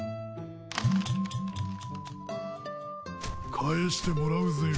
返してもらうぜよ。